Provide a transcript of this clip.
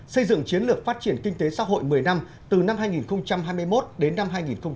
xây dựng chiến lược phát triển kinh tế xã hội một mươi năm từ năm hai nghìn hai mươi một đến năm hai nghìn ba mươi